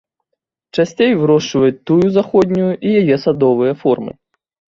Часцей вырошчваюць тую заходнюю і яе садовыя формы.